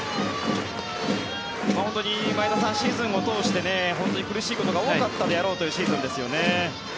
本当に前田さんシーズンを通して本当に苦しいことが多かったであろうというシーズンですよね。